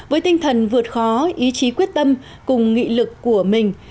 với tinh thần vượt khó ý chí quyết tâm cùng nghị lực của các nông hộ